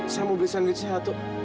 saya mau beli sandwich satu